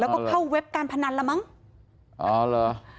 แล้วก็เข้าเว็บการพนันละมั้งอ๋อเหรอ